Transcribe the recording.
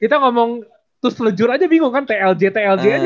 kita ngomong terus lejur aja bingung kan tlj tlj aja